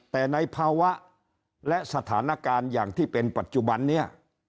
แต่ในภาวะและสถานการณ์อย่างที่เป็นปัจจุบันนี้